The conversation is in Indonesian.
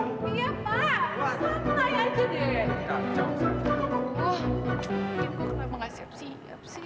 ini gue kenapa gak siap siap sih